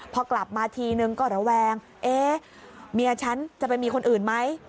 พอกลับมาทีนึงก็ระแวงเอ๊ะเมียฉันจะไปมีคนอื่นไหม